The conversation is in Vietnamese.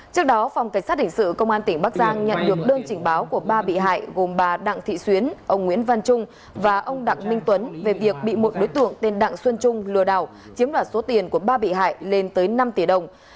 trước đó phòng cảnh sát hình sự công an tỉnh bắc giang nhận được đơn trình báo của ba bị hại gồm bà đặng thị xuyến ông nguyễn văn trung và ông đặng minh tuấn về việc bị một đối tượng tên đặng xuân trung lừa đảo chiếm đoạt số tiền của ba bị hại lên tới năm tỷ đồng